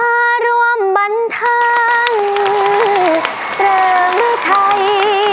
มาร่วมบันทังเรือมือไทย